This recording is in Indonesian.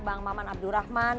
bang maman abdurrahman